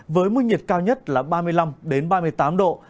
với mức nhiệt cao nhất là ba mươi năm ba mươi tám độ